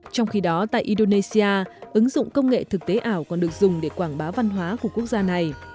trong khi đó tại indonesia ứng dụng công nghệ thực tế ảo còn được dùng để quảng bá văn hóa của quốc gia này